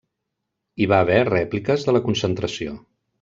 Hi va haver rèpliques de la concentració.